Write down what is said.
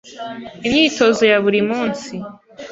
Imyitozo ya buri munsi.